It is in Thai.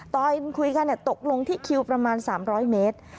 ตอนคุยกันตกลงที่คิวประมาณ๓๐๐เมตร